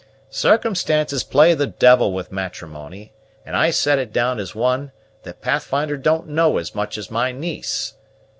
Circumstances play the devil with matrimony, and I set it down as one that Pathfinder don't know as much as my niece.